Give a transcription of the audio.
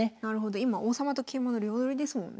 今王様と桂馬の両取りですもんね。